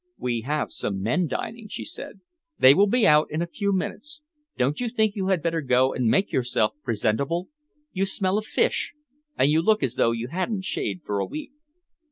"We have some men dining," she said. "They will be out in a few minutes. Don't you think you had better go and make yourself presentable? You smell of fish, and you look as though you hadn't shaved for a week."